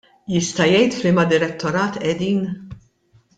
Jista' jgħid f'liema direttorat qegħdin?